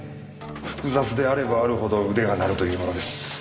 複雑であればあるほど腕が鳴るというものです。